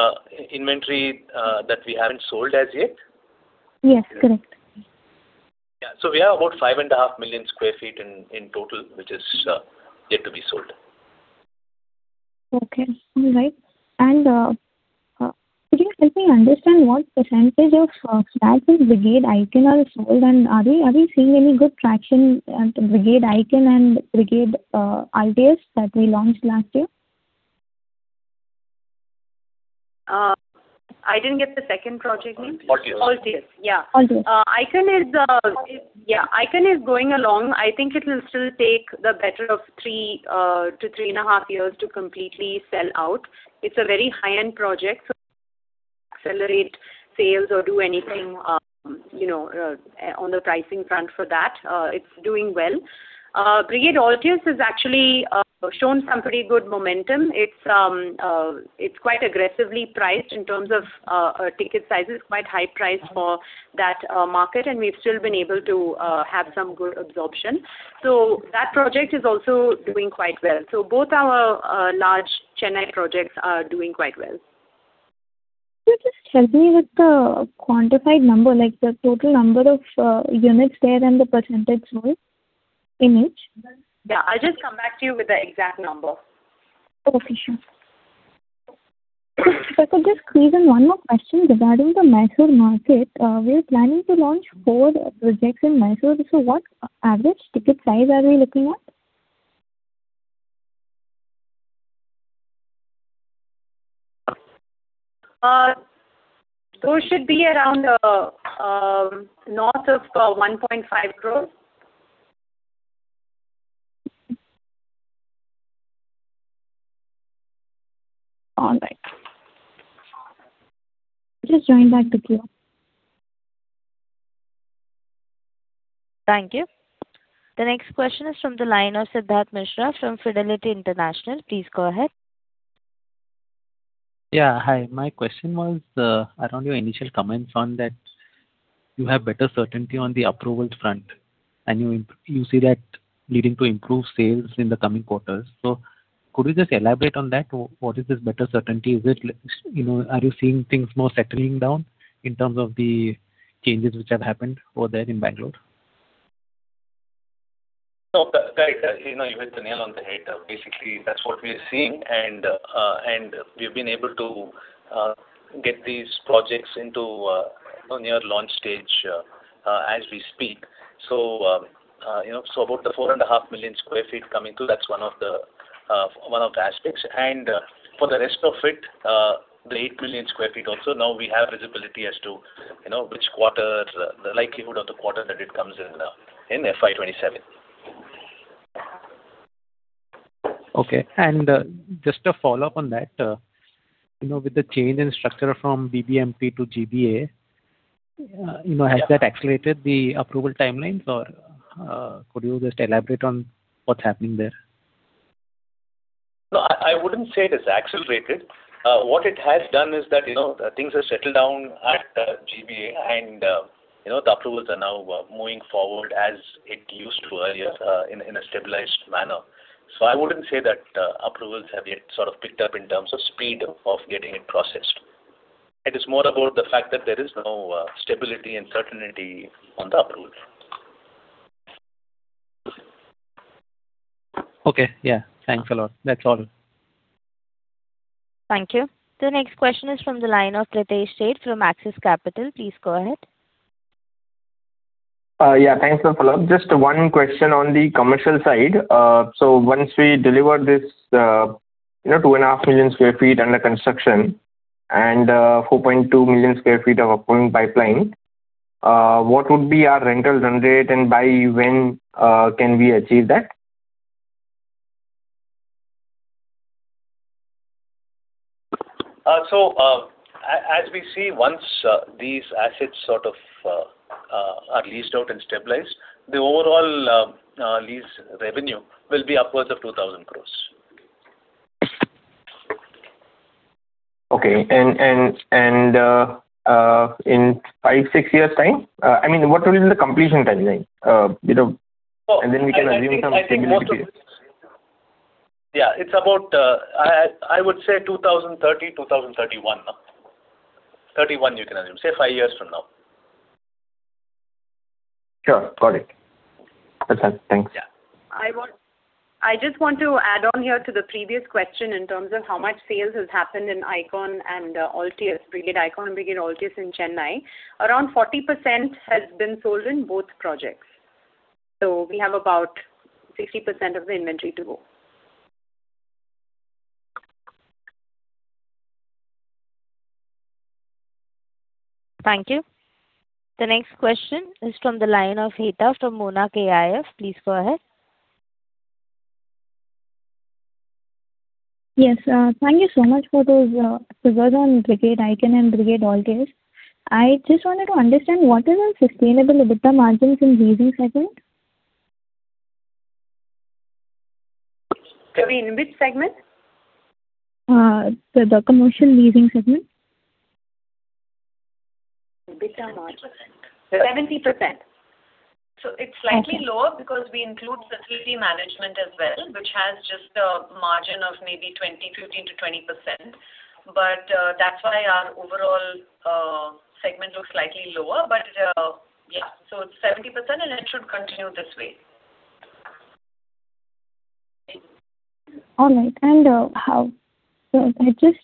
inventory that we haven't sold as yet?
Yes, correct.
Yeah. So we have about 5.5 million sq ft in total, which is yet to be sold....
Okay, all right. And, could you help me understand what percentage of stocks in Brigade Icon are sold, and are we seeing any good traction at Brigade Icon and Brigade Altius, that we launched last year?
I didn't get the second project name.
Altius.
Altius, yeah.
Altius.
Icon is, yeah, Icon is going along. I think it will still take the better of 3 years-3.5 years to completely sell out. It's a very high-end project, so accelerate sales or do anything, you know, on the pricing front for that. It's doing well. Brigade Altius has actually shown some pretty good momentum. It's, it's quite aggressively priced in terms of, ticket sizes, quite high price for that, market, and we've still been able to have some good absorption. So that project is also doing quite well. So both our large Chennai projects are doing quite well.
Could you just help me with the quantified number, like the total number of units there and the percentage sold in each?
Yeah, I'll just come back to you with the exact number.
Okay, sure. If I could just squeeze in one more question regarding the Mysuru market. We're planning to launch four projects in Mysuru, so what average ticket size are we looking at?
Those should be around north of 1.5 crore.
All right. Just joining back with you.
Thank you. The next question is from the line of Siddharth Misra from Fidelity International. Please go ahead.
Yeah, hi. My question was around your initial comments on that you have better certainty on the approvals front, and you see that leading to improved sales in the coming quarters. Could you just elaborate on that? What is this better certainty? Is it, like, you know, are you seeing things more settling down in terms of the changes which have happened over there in Bangalore?
No, right, you know, you hit the nail on the head. Basically, that's what we are seeing, and we've been able to get these projects into, you know, near launch stage, as we speak. So, you know, so about the 4.5 million sq ft coming through, that's one of the aspects. And, for the rest of it, the 8 million sq ft also, now we have visibility as to, you know, which quarter, the likelihood of the quarter that it comes in, in FY 2027.
Okay. And, just a follow-up on that. You know, with the change in structure from BBMP to GBA, you know, has that accelerated the approval timelines, or, could you just elaborate on what's happening there?
No, I wouldn't say it is accelerated. What it has done is that, you know, things have settled down at GBA, and, you know, the approvals are now moving forward as it used to earlier in a stabilized manner. So I wouldn't say that approvals have yet sort of picked up in terms of speed of getting it processed. It is more about the fact that there is now stability and certainty on the approvals.
Okay, yeah. Thanks a lot. That's all.
Thank you. The next question is from the line of Pritesh Sheth from Axis Capital. Please go ahead.
Yeah, thanks a lot. Just one question on the commercial side. So once we deliver this, you know, 2.5 million sq ft under construction and 4.2 million sq ft of upcoming pipeline, what would be our rental run rate, and by when can we achieve that?
So, as we see, once these assets sort of are leased out and stabilized, the overall lease revenue will be upwards of INR 2,000 crore.
Okay, in five, six years' time, I mean, what will be the completion timeline? You know, and then we can assume some stability.
Yeah, it's about, I would say 2030, 2031. 2031, you can assume. Say five years from now.
Sure. Got it. That's it. Thanks.
Yeah.
I just want to add on here to the previous question in terms of how much sales has happened in Icon and Altius, Brigade Icon, Brigade Altius in Chennai. Around 40% has been sold in both projects, so we have about 60% of the inventory to go.
Thank you. The next question is from the line of Heta from Monarch AIF. Please go ahead.
Yes, thank you so much for those figures on Brigade Icon and Brigade Altius. I just wanted to understand, what is our sustainable EBITDA margins in leasing segment?
Sorry, in which segment?
The commercial leasing segment.
EBITDA margin.
70%.
70%. So it's slightly lower-
Okay.
because we include facility management as well, which has just a margin of maybe 15%-20%. But, that's why our overall segment looks slightly lower. But, yeah, so it's 70%, and it should continue this way.
All right. So I just,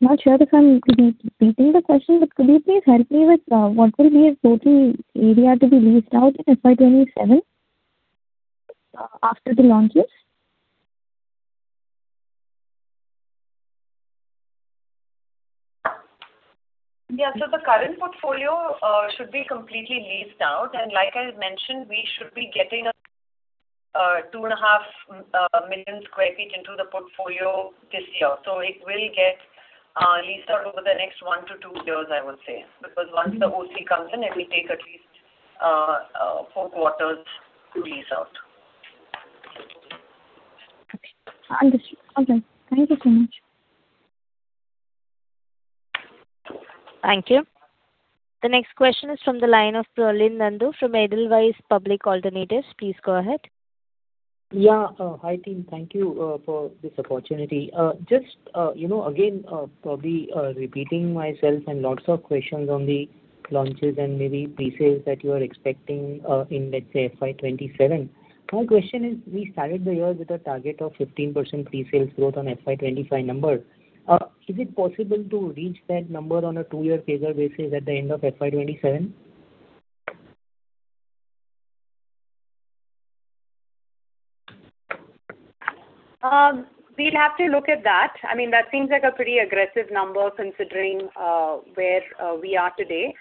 not sure if I'm repeating the question, but could you please help me with what will be a total area to be leased out in FY 2027 after the launches?
Yeah. So the current portfolio should be completely leased out, and like I mentioned, we should be getting 2.5 million sq ft into the portfolio this year. So it will get leased out over the next 1 years-2 years, I would say.
Mm-hmm.
Because once the OC comes in, it will take at least four quarters to lease out.
Understood. Okay, thank you so much.
Thank you. The next question is from the line of, Prolin Nandu from Edelweiss Public Alternatives. Please go ahead.
Yeah, hi, team. Thank you for this opportunity. Just, you know, again, probably repeating myself and lots of questions on the launches and maybe pre-sales that you are expecting in, let's say, FY 2027. My question is: we started the year with a target of 15% pre-sales growth on FY 2025 number. Is it possible to reach that number on a two-year phased basis at the end of FY 2027?
We'd have to look at that. I mean, that seems like a pretty aggressive number, considering where we are today.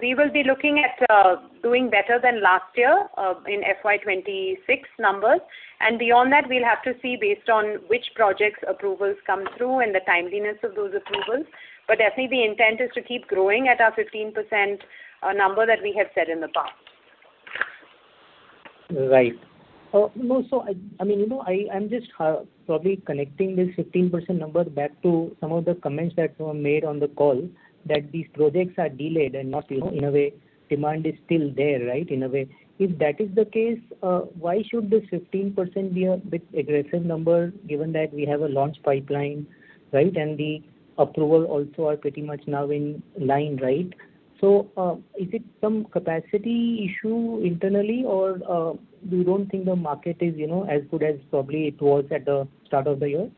We will be looking at doing better than last year in FY 2026 numbers, and beyond that, we'll have to see based on which projects approvals come through and the timeliness of those approvals. But definitely, the intent is to keep growing at our 15% number that we have set in the past.
Right. No, so I, I mean, you know, I, I'm just probably connecting this 15% number back to some of the comments that were made on the call, that these projects are delayed and not, you know, in a way, demand is still there, right? In a way. If that is the case, why should this 15% be a bit aggressive number, given that we have a launch pipeline, right, and the approval also are pretty much now in line, right? So, is it some capacity issue internally, or, we don't think the market is, you know, as good as probably it was at the start of the year?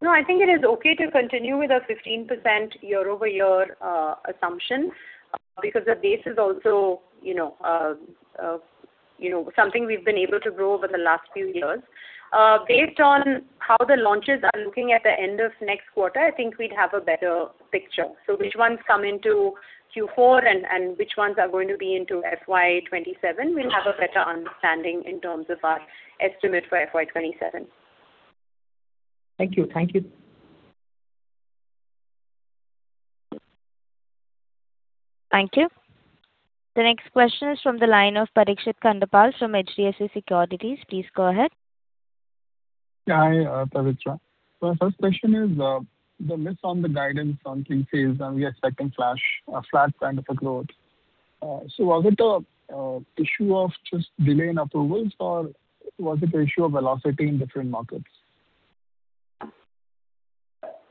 No, I think it is okay to continue with our 15% year-over-year assumption, because the base is also, you know, you know, something we've been able to grow over the last few years. Based on how the launches are looking at the end of next quarter, I think we'd have a better picture. So which ones come into Q4 and which ones are going to be into FY 2027-
Okay.
We'll have a better understanding in terms of our estimate for FY 2027.
Thank you. Thank you.
Thank you. The next question is from the line of Parikshit Kandpal from HDFC Securities. Please go ahead.
Yeah, hi, Pavitra. My first question is, the miss on the guidance on pre-sales, and we are expecting flash, flat kind of a growth. So was it a, issue of just delay in approvals, or was it the issue of velocity in different markets?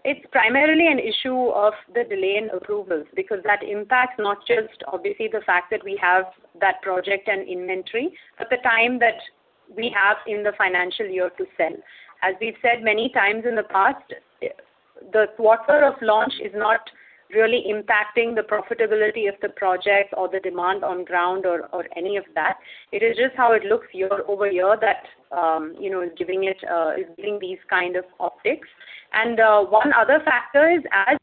It's primarily an issue of the delay in approvals, because that impacts not just obviously the fact that we have that project and inventory, but the time that we have in the financial year to sell. As we've said many times in the past, the quarter of launch is not really impacting the profitability of the project or the demand on ground or any of that. It is just how it looks year-over-year that, you know, is giving it, is giving these kind of optics. And one other factor is as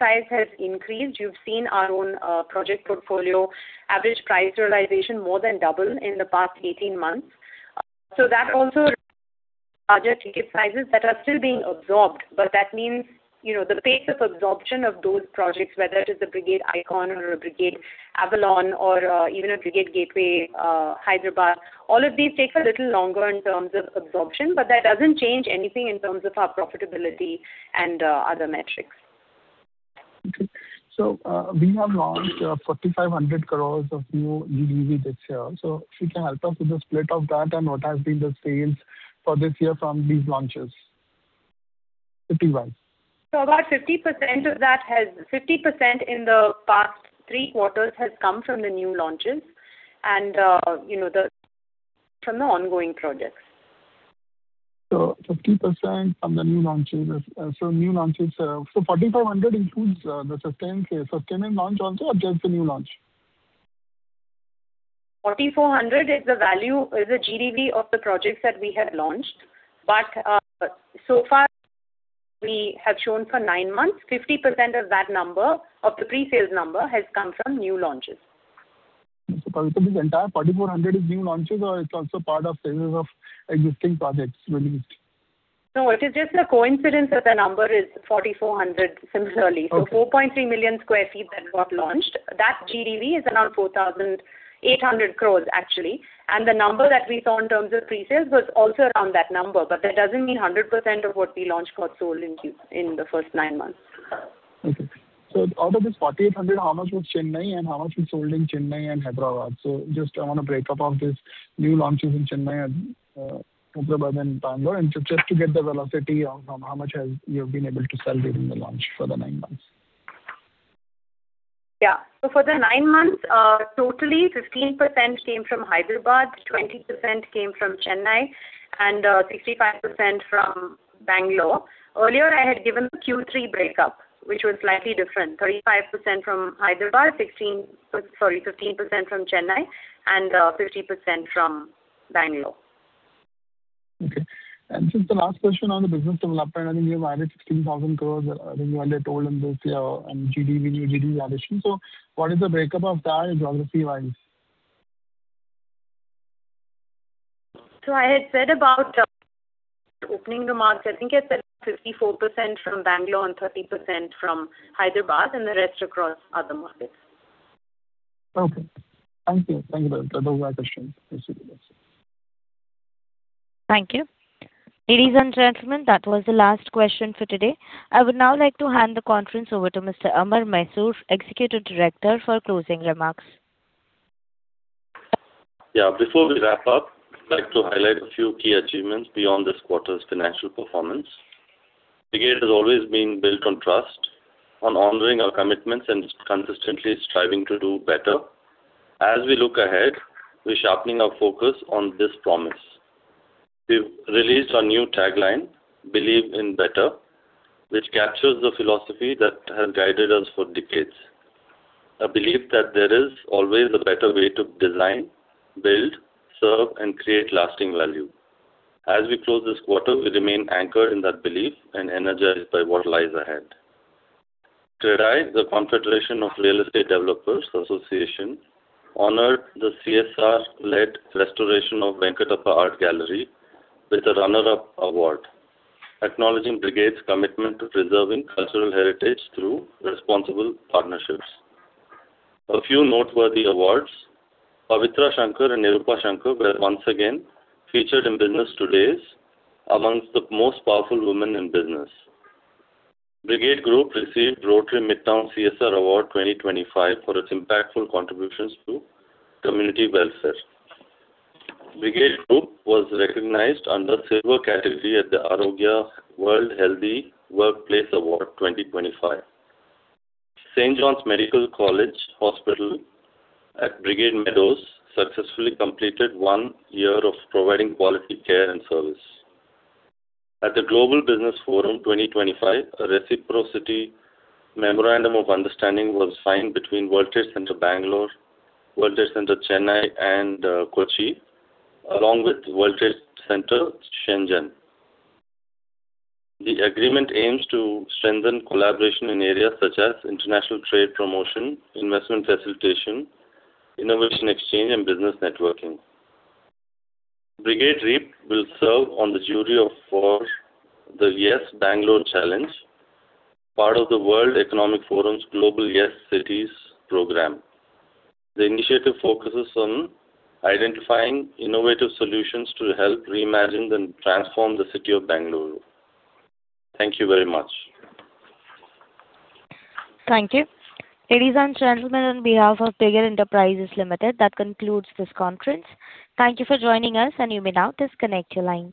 size has increased, you've seen our own, project portfolio average price realization more than double in the past 18 months. So that also larger ticket sizes that are still being absorbed. But that means, you know, the pace of absorption of those projects, whether it is a Brigade Icon or a Brigade Avalon or, even a Brigade Gateway, Hyderabad, all of these takes a little longer in terms of absorption, but that doesn't change anything in terms of our profitability and, other metrics.
Okay. So, we have launched 4,500 crore of new GDV this year. So if you can help us with the split of that and what has been the sales for this year from these launches? 51.
About 50% of that has... 50% in the past three quarters has come from the new launches and, you know, the, from the ongoing projects.
So 50% from the new launches. So new launches, so 4,400 includes the sustained sales. Sustained launch also or just the new launch?
4,400 is the value, is the GDV of the projects that we have launched. But, so far we have shown for nine months, 50% of that number, of the pre-sales number, has come from new launches.
This entire 4,400 is new launches, or it's also part of sales of existing projects released?
No, it is just a coincidence that the number is 4,400 similarly.
Okay.
So 4.3 million sq ft that got launched, that GDV is around 4,800 crore, actually. The number that we saw in terms of pre-sales was also around that number, but that doesn't mean 100% of what we launched got sold in the first nine months.
Okay. So out of this 4,800, how much was Chennai and how much was sold in Chennai and Hyderabad? So just I want a break-up of this new launches in Chennai and Hyderabad and Bangalore, and just to get the velocity on how much have you been able to sell during the launch for the nine months?
Yeah. So for the nine months, totally 15% came from Hyderabad, 20% came from Chennai, and 65% from Bangalore. Earlier, I had given the Q3 breakup, which was slightly different. 35% from Hyderabad, 15% from Chennai, and 50% from Bangalore.
Okay. And just the last question on the business development, I think you've added 16,000 crore earlier this year, and GDV, GDV addition. So what is the breakup of that geography-wise?
So I had said about opening remarks. I think I said 54% from Bangalore and 30% from Hyderabad, and the rest across other markets.
Okay. Thank you. Thank you very much. No more questions.
Thank you. Ladies and gentlemen, that was the last question for today. I would now like to hand the conference over to Mr. Amar Mysore, Executive Director, for closing remarks.
Yeah, before we wrap up, I'd like to highlight a few key achievements beyond this quarter's financial performance. Brigade has always been built on trust, on honoring our commitments, and consistently striving to do better. As we look ahead, we're sharpening our focus on this promise. We've released our new tagline, "Believe in better," which captures the philosophy that has guided us for decades. A belief that there is always a better way to design, build, serve, and create lasting value. As we close this quarter, we remain anchored in that belief and energized by what lies ahead. CREDAI, the Confederation of Real Estate Developers' Associations of India, honored the CSR-led restoration of Venkatappa Art Gallery with a runner-up award, acknowledging Brigade's commitment to preserving cultural heritage through responsible partnerships. A few noteworthy awards: Pavitra Shankar and Nirupa Shankar were once again featured in Business Today's among the Most Powerful Women in Business. Brigade Group received Rotary Midtown CSR Award 2025 for its impactful contributions to community welfare. Brigade Group was recognized under silver category at the Arogya World Healthy Workplace Award 2025. St. John's Medical College Hospital at Brigade Meadows successfully completed one year of providing quality care and service. At the Global Business Forum 2025, a reciprocity memorandum of understanding was signed between World Trade Center, Bangalore, World Trade Center, Chennai and Kochi, along with World Trade Center, Shenzhen. The agreement aims to strengthen collaboration in areas such as international trade promotion, investment facilitation, innovation exchange, and business networking. Brigade REAP will serve on the jury for the Yes/Bengaluru Challenge, part of the World Economic Forum's Global Yes/Cities program. The initiative focuses on identifying innovative solutions to help reimagine and transform the city of Bangalore. Thank you very much.
Thank you. Ladies and gentlemen, on behalf of Brigade Enterprises Limited, that concludes this conference. Thank you for joining us, and you may now disconnect your lines.